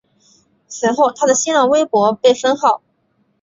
随后他的新浪微博被封号。